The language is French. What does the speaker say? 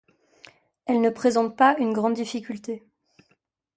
Elle ne présente pas une grande difficulté.